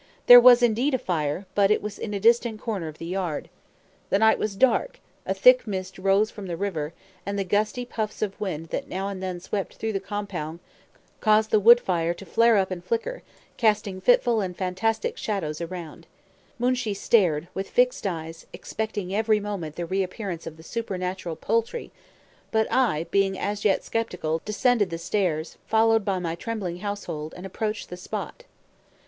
There was indeed a fire, but it was in a distant corner of the yard. The night was dark, a thick mist rose from the river, and the gusty puffs of wind that now and then swept through the compound caused the wood fire to flare up and flicker, casting fitful and fantastic shadows around. Moonshee stared, with fixed eyes, expecting every moment the reappearance of the supernatural poultry; but I, being as yet sceptical, descended the stairs, followed by my trembling household, and approached the spot.